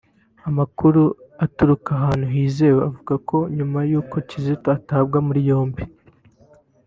Amakuru aturuka ahantu hizewe avuga ko nyuma yuko kizito atabwa muri yombi